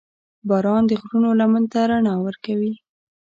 • باران د غرونو لمن ته رڼا ورکوي.